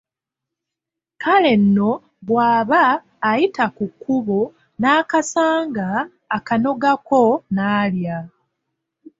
Kale nno bw’aba ayita ku kkubo n’akasanga, akanogako n’alya.